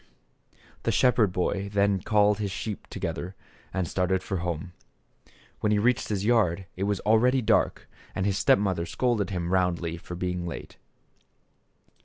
The shepherd boy then called his sheep to gether and started for home. When he reached his yard it was already dark and his step mother scolded him roundly for being late.